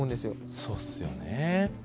そうっすよね。